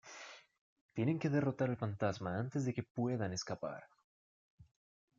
Tienen que derrotar al fantasma antes de que puedan escapar.